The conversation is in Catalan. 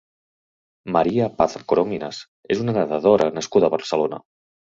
María Paz Corominas és una nedadora nascuda a Barcelona.